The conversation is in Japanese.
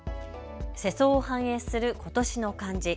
世相を反映する今年の漢字。